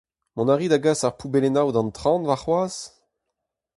Mont a ri da gas ar poubellennoù d'an traoñ warc'hoazh ?